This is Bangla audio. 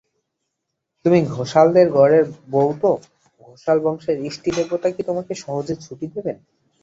তুমি ঘোষালদের ঘরের বউ তো, ঘোষাল-বংশের ইষ্টিদেবতা কি তোমাকে সহজে ছুটি দেবেন?